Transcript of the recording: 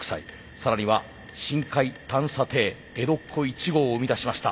更には深海探査艇江戸っ子１号を生み出しました。